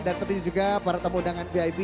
dan tentunya juga para temudangan bip